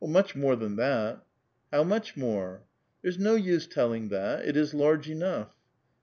" Much more than that." " How much more?" " There's no use telling that; it is large enough."